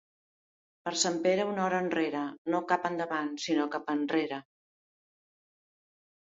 Per Sant Pere una hora enrere; no cap endavant, sinó cap endarrere.